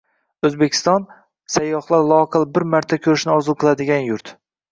O‘zbekiston – sayyohlar loaqal bir marta ko‘rishni orzu qiladigan yurt